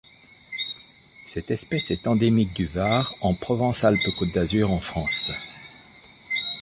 Cette espèce est endémique du Var en Provence-Alpes-Côte d'Azur en France.